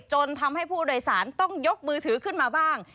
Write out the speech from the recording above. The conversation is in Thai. จนทำให้ผู้โดยสารต้องยกมือถือขึ้นมาบ้าง